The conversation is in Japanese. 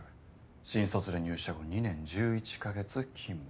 新卒で入社後２年１１カ月勤務。